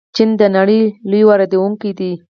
چین د نړۍ لوی واردونکی دی.